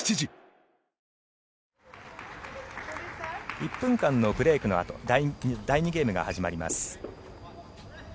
１分間のブレークのあと第２ゲームが始まります。